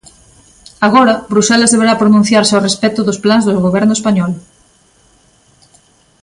Agora, Bruxelas deberá pronunciarse a respecto dos plans do goberno español.